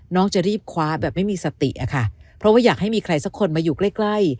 จะรีบคว้าแบบไม่มีสติอะค่ะเพราะว่าอยากให้มีใครสักคนมาอยู่ใกล้ใกล้